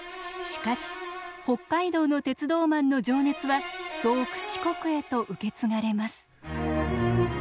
しかし北海道の鉄道マンの情熱は遠く四国へと受け継がれます。